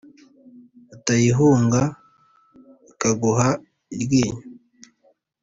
utayihunga ikaguha iryinyo.